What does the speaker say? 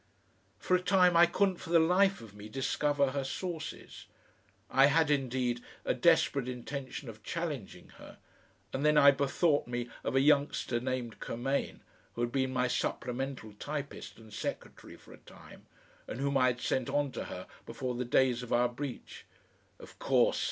For a time I couldn't for the life of me discover her sources. I had, indeed, a desperate intention of challenging her, and then I bethought me of a youngster named Curmain, who had been my supplemental typist and secretary for a time, and whom I had sent on to her before the days of our breach. "Of course!"